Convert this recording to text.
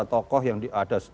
beberapa tokoh yang ada